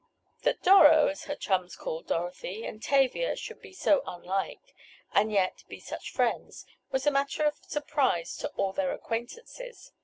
That "Doro" as her chums called Dorothy, and Tavia could be so unlike, and yet be such friends, was a matter of surprise to all their acquaintances.